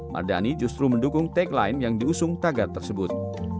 mardani justru mendukung tagline yang diusung tagar tersebut